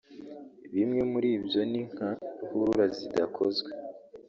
Bimwe muri byo ni nka ruhurura zidakozwe